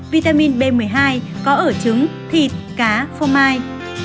vitamin b một mươi hai có ở trứng thịt cá phô mai